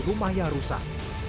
di rumah yang rusak